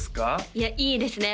いやいいですね